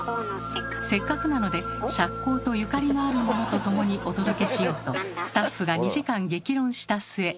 せっかくなので赤口とゆかりのあるものとともにお届けしようとスタッフが２時間激論した末。